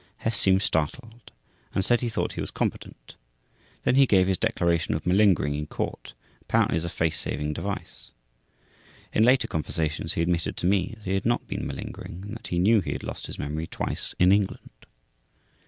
Hess seemed startled and said he thought he was competent. Then he gave his declaration of malingering in court, apparently as a face saving device. In later conversations he admitted to me that he had not been malingering, and that he knew he had lost his memory twice in England.